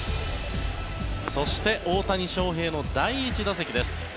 そして大谷翔平の第１打席です。